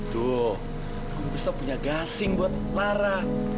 duh om gustaf punya gasing buat lara